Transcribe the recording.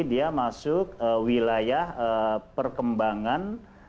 dia masuk wilayah perkembangan